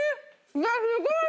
うわっすごい！